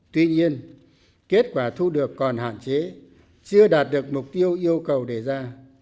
tuy nhiên kết quả thu được còn hạn chế chưa đạt được mục tiêu yêu cầu đề ra